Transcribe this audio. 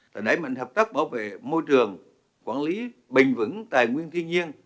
và nảy mạnh hợp tác bảo vệ môi trường quản lý bình vững tài nguyên thiên nhiên